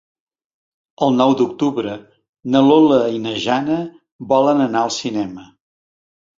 El nou d'octubre na Lola i na Jana volen anar al cinema.